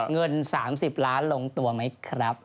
เงิน๓๐ล้านลงตัวไหมครับ